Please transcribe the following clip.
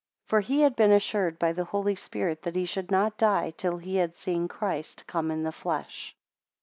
28 For he had been assured by the Holy Spirit, that he should not die, till he had seen Christ come in the flesh.